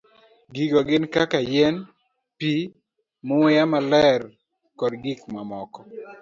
Gigo gin kaka yien, pi, muya maler, kod gik mamoko.